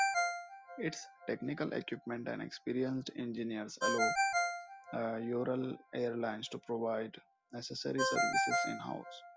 Its technical equipment and experienced engineers allow Ural Airlines to provide necessary services in-house.